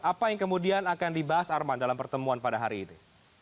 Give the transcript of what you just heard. apa yang kemudian akan dibahas arman dalam pertemuan pada hari ini